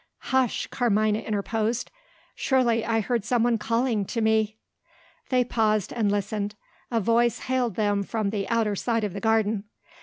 "Hush!" Carmina interposed. "Surely, I heard somebody calling to me?" They paused, and listened. A voice hailed them from the outer side of the garden.